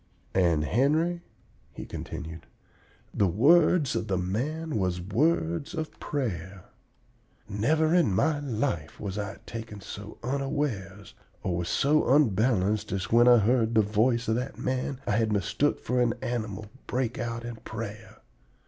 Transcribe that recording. "And, Henry," he continued, "the words of the man was words of prayer. Never in my life was I taken so unawares or was so unbalanced as when I heard the voice of that man I had mistook for an animal break out in prayer.